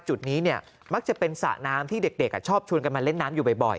จุดนี้มักจะเป็นสระน้ำที่เด็กชอบชวนกันมาเล่นน้ำอยู่บ่อย